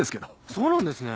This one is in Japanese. そうなんですね。